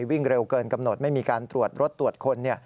วิ่งเร็วเกินกำหนดไม่มีการตรวจรถตรวจคน